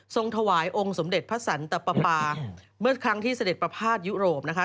ถวายองค์สมเด็จพระสันตปาเมื่อครั้งที่เสด็จประพาทยุโรปนะคะ